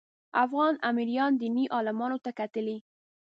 افغان امیرانو دیني عالمانو ته کتلي.